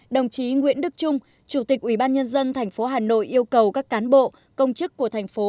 đồng chí nguyễn đức trung chủ tịch ubnd tp hà nội yêu cầu các cán bộ công chức của thành phố